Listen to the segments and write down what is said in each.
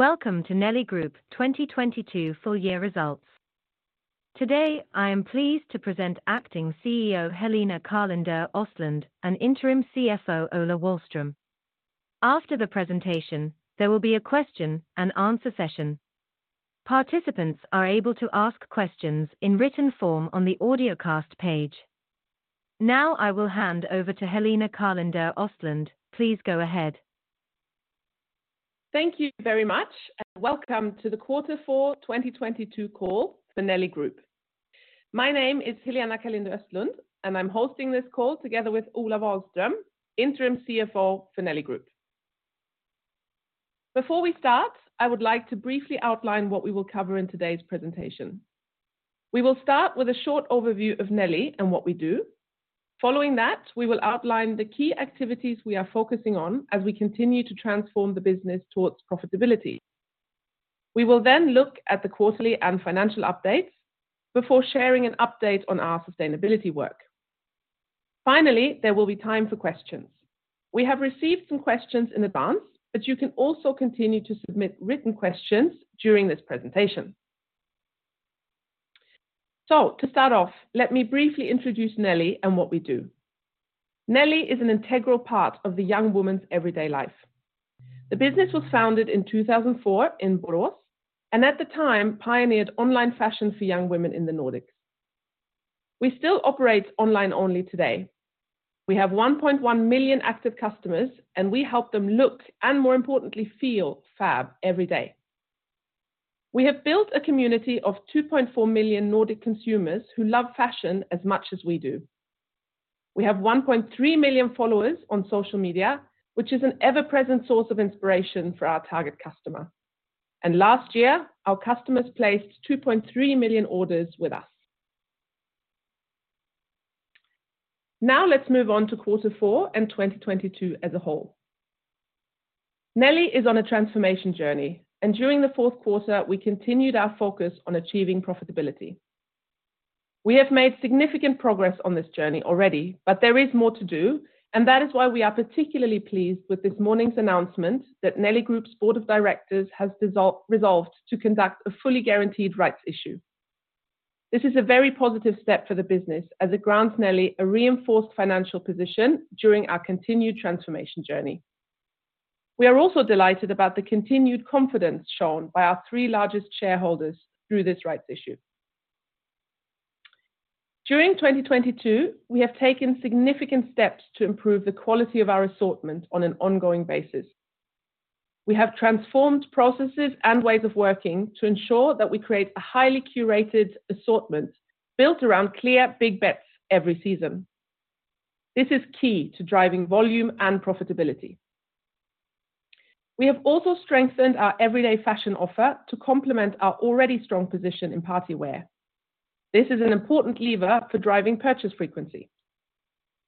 Welcome to Nelly Group 2022 full year results. Today, I am pleased to present Acting CEO Helena Karlinder-Östlundh and Interim CFO Ola Wahlström. After the presentation, there will be a question and answer session. Participants are able to ask questions in written form on the audiocast page. Now I will hand over to Helena Karlinder-Östlundh, please go ahead. Thank you very much, and welcome to the Quarter four 2022 call for Nelly Group. My name is Helena Karlinder-Östlundh, and I'm hosting this call together with Ola Wahlström, interim CFO for Nelly Group. Before we start, I would like to briefly outline what we will cover in today's presentation. We will start with a short overview of Nelly and what we do. Following that, we will outline the key activities we are focusing on as we continue to transform the business towards profitability. We will then look at the quarterly and financial updates before sharing an update on our sustainability work. Finally, there will be time for questions. We have received some questions in advance, but you can also continue to submit written questions during this presentation. To start off, let me briefly introduce Nelly and what we do. Nelly is an integral part of the young woman's everyday life. The business was founded in 2004 in Borås, at the time pioneered online fashion for young women in the Nordics. We still operate online only today. We have 1.1 million active customers, we help them look, and more importantly, feel fab every day. We have built a community of 2.4 million Nordic consumers who love fashion as much as we do. We have 1.3 million followers on social media, which is an ever-present source of inspiration for our target customer. Last year, our customers placed 2.3 million orders with us. Now let's move on to Q4 and 2022 as a whole. Nelly is on a transformation journey, during the fourth quarter we continued our focus on achieving profitability. We have made significant progress on this journey already, but there is more to do, and that is why we are particularly pleased with this morning's announcement that Nelly Group's board of directors has resolved to conduct a fully guaranteed rights issue. This is a very positive step for the business as it grants Nelly a reinforced financial position during our continued transformation journey. We are also delighted about the continued confidence shown by our three largest shareholders through this rights issue. During 2022, we have taken significant steps to improve the quality of our assortment on an ongoing basis. We have transformed processes and ways of working to ensure that we create a highly curated assortment built around clear big bets every season. This is key to driving volume and profitability. We have also strengthened our everyday fashion offer to complement our already strong position in party wear. This is an important lever for driving purchase frequency.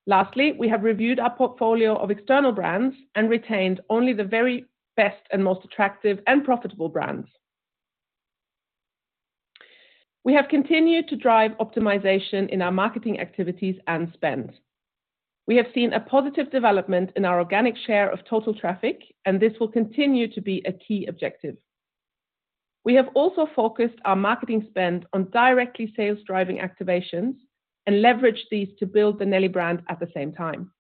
Lastly, we have reviewed our portfolio of external brands and retained only the very best and most attractive and profitable brands. We have continued to drive optimization in our marketing activities and spend. We have seen a positive development in our organic share of total traffic. This will continue to be a key objective. We have also focused our marketing spend on directly sales driving activations and leveraged these to build the Nelly brand at the same time.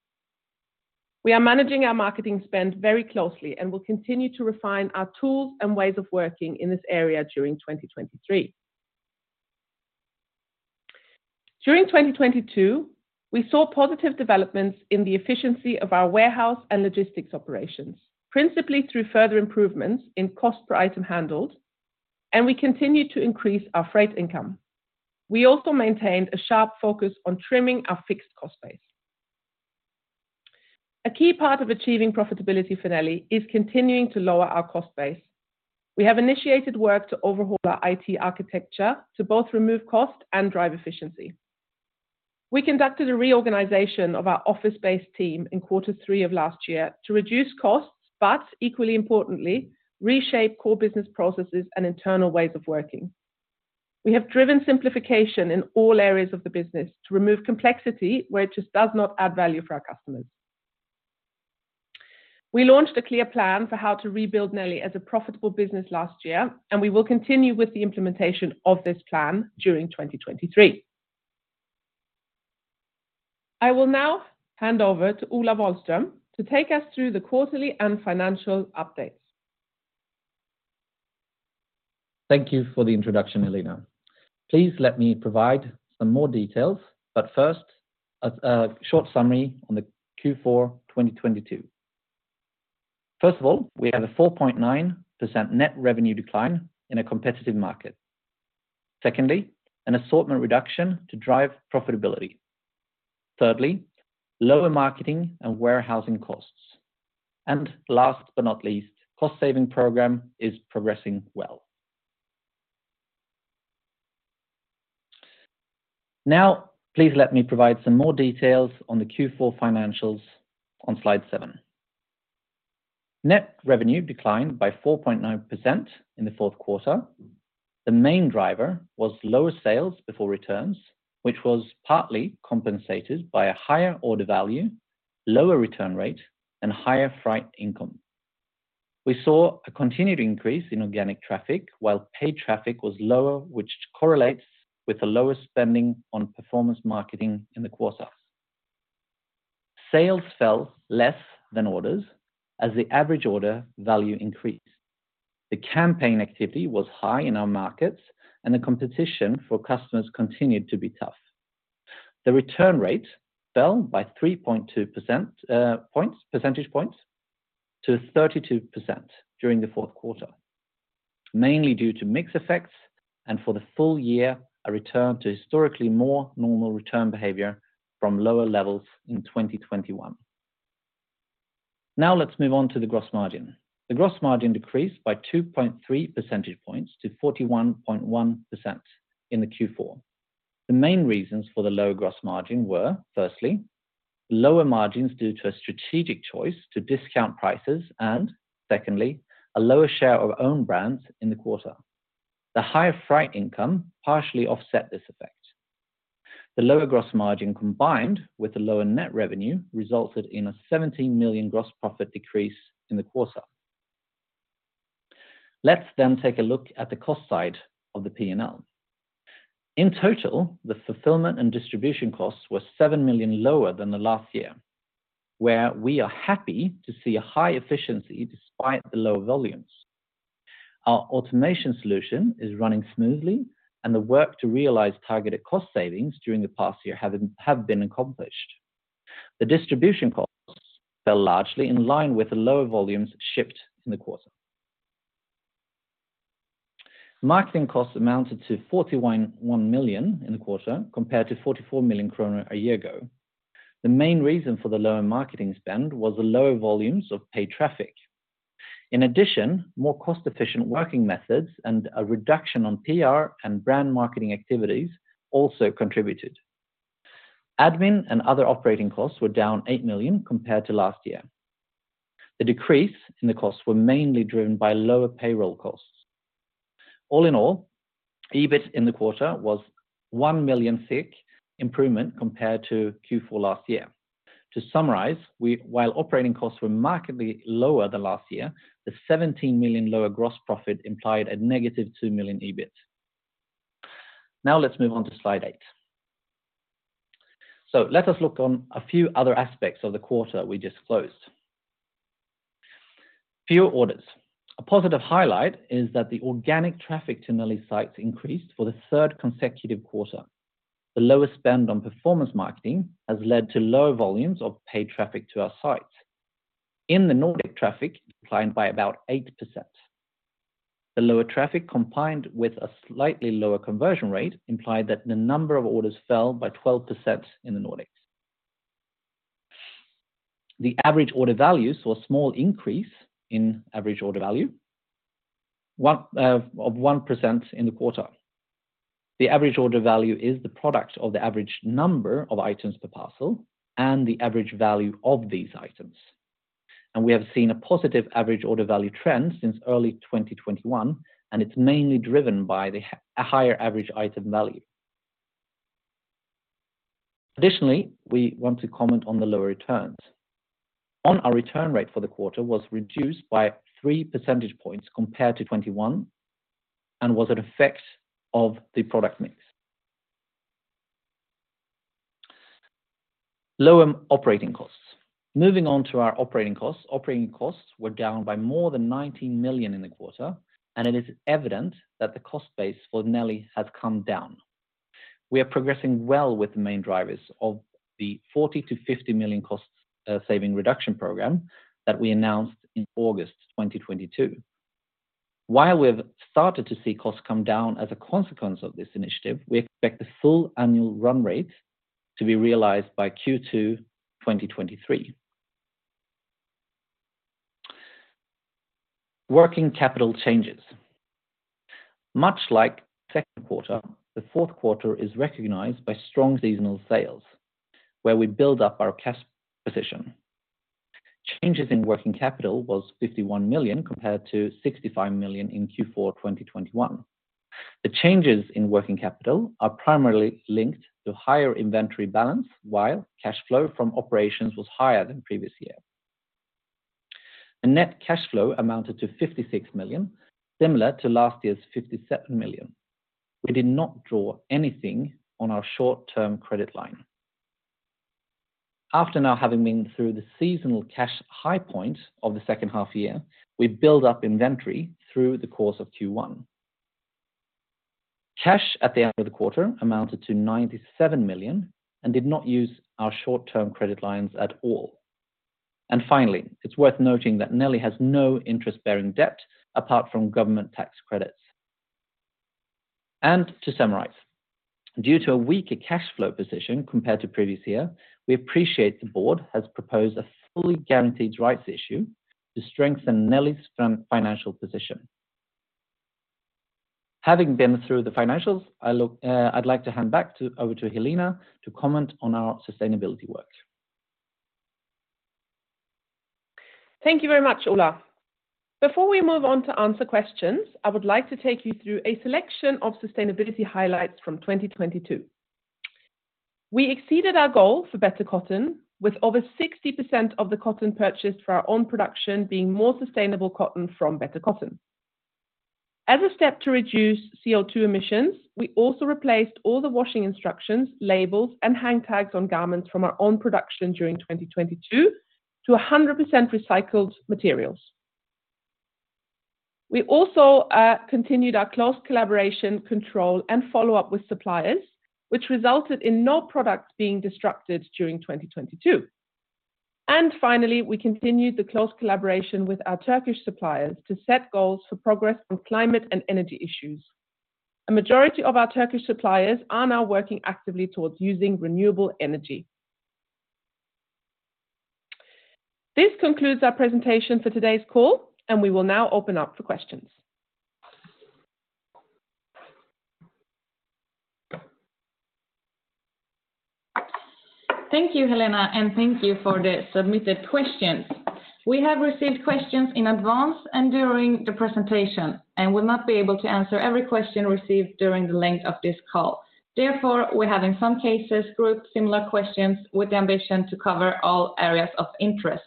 We are managing our marketing spend very closely and will continue to refine our tools and ways of working in this area during 2023. During 2022, we saw positive developments in the efficiency of our warehouse and logistics operations, principally through further improvements in cost per item handled, and we continued to increase our freight income. We also maintained a sharp focus on trimming our fixed cost base. A key part of achieving profitability for Nelly is continuing to lower our cost base. We have initiated work to overhaul our I.T. architecture to both remove cost and drive efficiency. We conducted a reorganization of our office-based team in Quarter 3 of last year to reduce costs, but equally importantly, reshape core business processes and internal ways of working. We have driven simplification in all areas of the business to remove complexity where it just does not add value for our customers. We launched a clear plan for how to rebuild Nelly as a profitable business last year. We will continue with the implementation of this plan during 2023. I will now hand over to Ola Wahlström to take us through the quarterly and financial updates. Thank you for the introduction, Helena. Please let me provide some more details. First, a short summary on the Q4 2022. First of all, we have a 4.9% net revenue decline in a competitive market. Secondly, an assortment reduction to drive profitability. Thirdly, lower marketing and warehousing costs. Last but not least, cost saving program is progressing well. Please let me provide some more details on the Q4 financials on slide 7. Net revenue declined by 4.9% in the fourth quarter. The main driver was lower sales before returns, which was partly compensated by a higher order value, lower return rate, and higher freight income. We saw a continued increase in organic traffic while paid traffic was lower, which correlates with the lower spending on performance marketing in the quarter. Sales fell less than orders as the average order value increased. The campaign activity was high in our markets, and the competition for customers continued to be tough. The return rate fell by 3.2 percentage points to 32% during the fourth quarter, mainly due to mix effects and for the full year, a return to historically more normal return behavior from lower levels in 2021. Now let's move on to the gross margin. The gross margin decreased by 2.3 percentage points to 41.1% in the Q4. The main reasons for the lower gross margin were, firstly, lower margins due to a strategic choice to discount prices and secondly, a lower share of own brands in the quarter. The higher freight income partially offset this effect. The lower gross margin, combined with the lower net revenue, resulted in a 17 million gross profit decrease in the quarter. Let's take a look at the cost side of the P&L. In total, the fulfillment and distribution costs were 7 million lower than the last year, where we are happy to see a high efficiency despite the low volumes. Our automation solution is running smoothly and the work to realize targeted cost savings during the past year have been accomplished. The distribution costs fell largely in line with the lower volumes shipped in the quarter. Marketing costs amounted to 41 million in the quarter, compared to 44 million kronor a year ago. The main reason for the lower marketing spend was the lower volumes of paid traffic. In addition, more cost-efficient working methods and a reduction on PR and brand marketing activities also contributed. Admin and other operating costs were down 8 million compared to last year. The decrease in the costs were mainly driven by lower payroll costs. All in all, EBIT in the quarter was 1 million SEK improvement compared to Q4 last year. To summarize, while operating costs were markedly lower than last year, the 17 million lower gross profit implied a negative 2 million EBIT. Now let's move on to slide eight. Let us look on a few other aspects of the quarter we just closed. Fewer orders. A positive highlight is that the organic traffic to Nelly's sites increased for the third consecutive quarter. The lower spend on performance marketing has led to lower volumes of paid traffic to our sites. In the Nordic, traffic declined by about 8%. The lower traffic, combined with a slightly lower conversion rate, implied that the number of orders fell by 12% in the Nordics. The average order values saw a small increase in average order value, one, of 1% in the quarter. The average order value is the product of the average number of items per parcel and the average value of these items. We have seen a positive average order value trend since early 2021, and it's mainly driven by the higher average item value. Additionally, we want to comment on the lower returns. On our return rate for the quarter was reduced by three percentage points compared to 2021 and was an effect of the product mix. Lower operating costs. Moving on to our operating costs. Operating costs were down by more than 19 million in the quarter. It is evident that the cost base for Nelly has come down. We are progressing well with the main drivers of the 40 million-50 million costs, saving reduction program that we announced in August 2022. While we've started to see costs come down as a consequence of this initiative, we expect the full annual run rate to be realized by Q2 2023. Working capital changes. Much like second quarter, the fourth quarter is recognized by strong seasonal sales, where we build up our cash position. Changes in working capital was 51 million compared to 65 million in Q4 2021. The changes in working capital are primarily linked to higher inventory balance while cash flow from operations was higher than previous year. The net cash flow amounted to 56 million, similar to last year's 57 million. We did not draw anything on our short-term credit line. After now having been through the seasonal cash high point of the second half year, we build up inventory through the course of Q1. Cash at the end of the quarter amounted to 97 million and did not use our short-term credit lines at all. Finally, it's worth noting that Nelly has no interest-bearing debt apart from government tax credits. To summarize, due to a weaker cash flow position compared to previous year, we appreciate the board has proposed a fully guaranteed rights issue to strengthen Nelly's financial position. Having been through the financials, I'd like to hand back over to Helena Caan Mattsson to comment on our sustainability work. Thank you very much, Ola. Before we move on to answer questions, I would like to take you through a selection of sustainability highlights from 2022. We exceeded our goal for Better Cotton with over 60% of the cotton purchased for our own production being more sustainable cotton from Better Cotton. As a step to reduce CO₂ emissions, we also replaced all the washing instructions, labels, and hang tags on garments from our own production during 2022 to 100% recycled materials. We also continued our close collaboration, control, and follow-up with suppliers, which resulted in no products being destructed during 2022. Finally, we continued the close collaboration with our Turkish suppliers to set goals for progress on climate and energy issues. A majority of our Turkish suppliers are now working actively towards using renewable energy. This concludes our presentation for today's call, and we will now open up for questions. Thank you, Helena, and thank you for the submitted questions. We have received questions in advance and during the presentation, and will not be able to answer every question received during the length of this call. Therefore, we have in some cases grouped similar questions with the ambition to cover all areas of interest.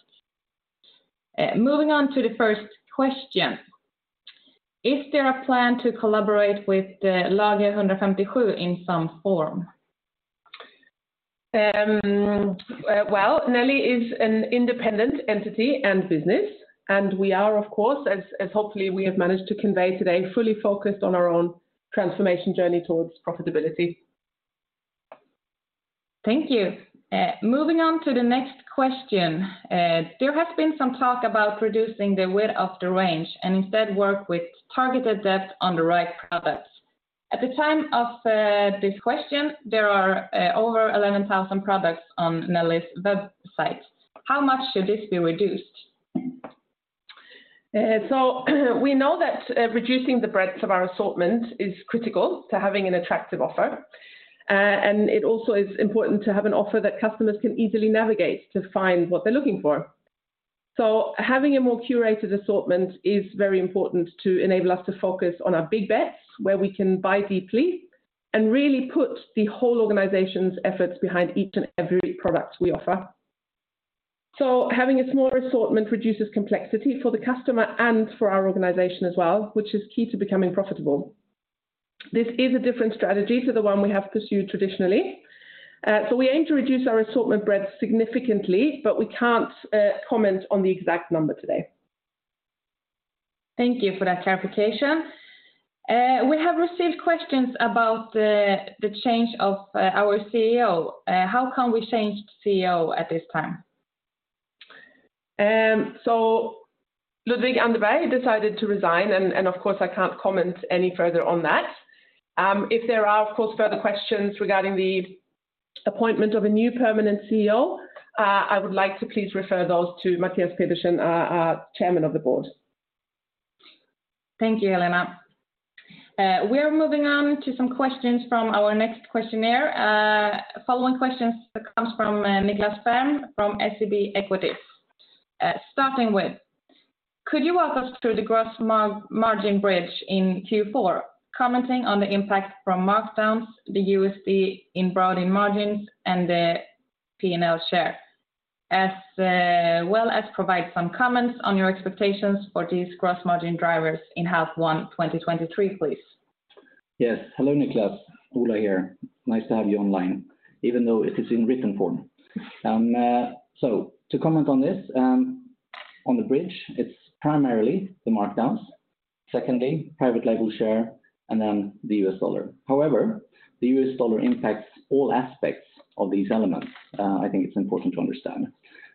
Moving on to the first question: Is there a plan to collaborate with Lager 157 in some form? Well, Nelly.com is an independent entity and business, and we are, of course, as hopefully we have managed to convey today, fully focused on our own transformation journey towards profitability. Thank you. Moving on to the next question. There has been some talk about reducing the width of the range and instead work with targeted depth on the right products. At the time of this question, there are over 11,000 products on Nelly.com's website. How much should this be reduced? We know that reducing the breadth of our assortment is critical to having an attractive offer, and it also is important to have an offer that customers can easily navigate to find what they're looking for. Having a more curated assortment is very important to enable us to focus on our big bets, where we can buy deeply and really put the whole organization's efforts behind each and every product we offer. Having a smaller assortment reduces complexity for the customer and for our organization as well, which is key to becoming profitable. This is a different strategy to the one we have pursued traditionally. We aim to reduce our assortment breadth significantly, but we can't comment on the exact number today. Thank you for that clarification. We have received questions about the change of our CEO. How come we changed CEO at this time? Ludvig Anderberg decided to resign, and of course, I can't comment any further on that. If there are, of course, further questions regarding the appointment of a new permanent CEO, I would like to please refer those to Mathias Pedersen, our Chairman of the Board. Thank you, Helena. We are moving on to some questions from our next questionnaire. Following questions that comes from Niklas Ferm from SEB Equity. Starting with, could you walk us through the gross margin bridge in Q4, commenting on the impact from markdowns, the USD eroding margins, and the P&L share, as well as provide some comments on your expectations for these gross margin drivers in half one 2023, please? Yes. Hello, Niklas. Ola here. Nice to have you online, even though it is in written form. To comment on this, on the bridge, it's primarily the markdowns, secondly, private label share, and then the U.S. dollar. The US dollar impacts all aspects of these elements, I think it's important to understand.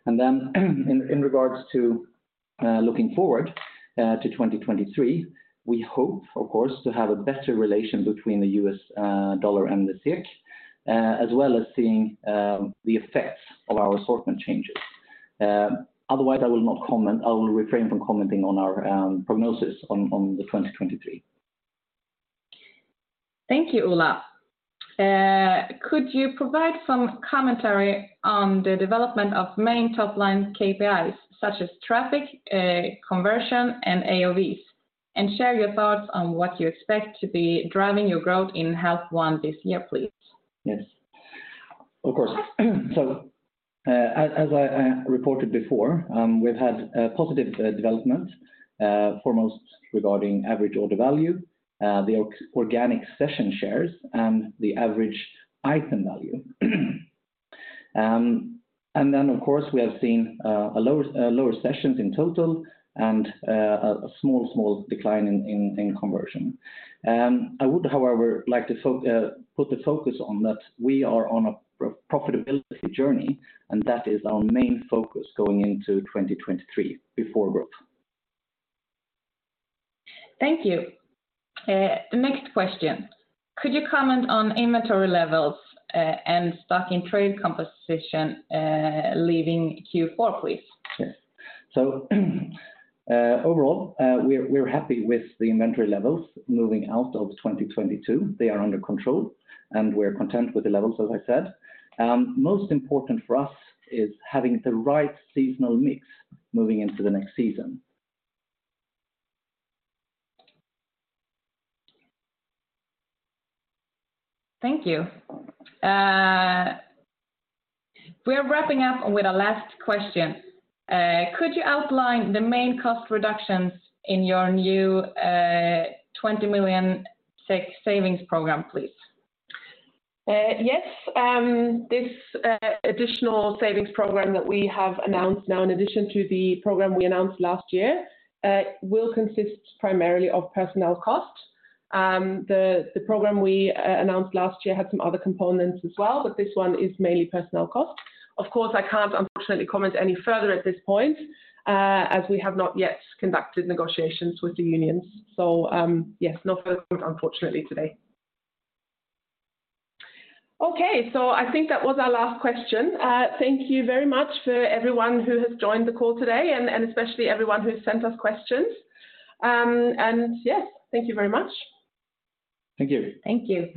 In regards to looking forward to 2023, we hope, of course, to have a better relation between the US dollar and the SEK, as well as seeing the effects of our assortment changes. Otherwise, I will not comment. I will refrain from commenting on our prognosis on the 2023. Thank you, Ola. Could you provide some commentary on the development of main top-line KPIs, such as traffic, conversion, and AOV's, and share your thoughts on what you expect to be driving your growth in half one this year, please? Yes. Of course. As I reported before, we've had positive development foremost regarding average order value, the organic session shares, and the average item value. Of course, we have seen a lower sessions in total and a small decline in conversion. I would, however, like to put the focus on that we are on a profitability journey. That is our main focus going into 2023 before growth. Thank you. The next question: Could you comment on inventory levels, and stock-in-trade composition, leaving Q4, please? Yes. overall, we're happy with the inventory levels moving out of 2022. They are under control, and we're content with the levels, as I said. Most important for us is having the right seasonal mix moving into the next season. Thank you. We are wrapping up with our last question. Could you outline the main cost reductions in your new, 20 million SEK savings program, please? Yes. This additional savings program that we have announced now, in addition to the program we announced last year, will consist primarily of personnel costs. The program we announced last year had some other components as well, but this one is mainly personnel costs. Of course, I can't, unfortunately, comment any further at this point, as we have not yet conducted negotiations with the unions. Yes, no further comment, unfortunately, today. I think that was our last question. Thank you very much for everyone who has joined the call today, and especially everyone who sent us questions. Yes, thank you very much. Thank you. Thank you.